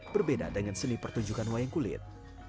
berbeda dengan seni pertunjukan wayang kulit